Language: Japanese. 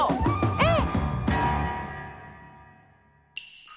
うん！